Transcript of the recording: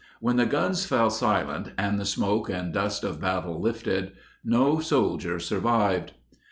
When the guns fell silent and the smoke and dust of battle lifted, no soldier survived.